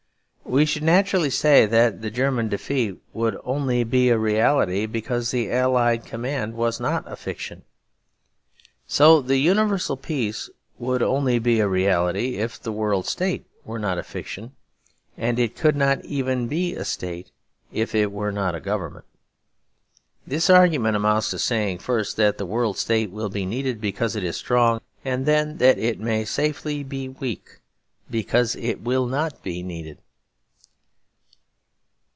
We should naturally say that the German defeat would only be a reality because the Allied command was not a fiction. So the universal peace would only be a reality if the World State were not a fiction. And it could not be even a state if it were not a government. This argument amounts to saying, first that the World State will be needed because it is strong, and then that it may safely be weak because it will not be needed.